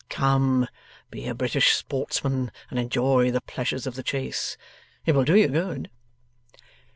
Come! Be a British sportsman and enjoy the pleasures of the chase. It will do you good.